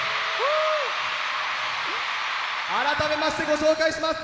改めましてご紹介します。